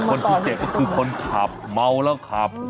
คนที่เจ็บก็คือคนขับเมาแล้วขับ